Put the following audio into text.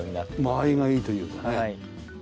間合いがいいというかね。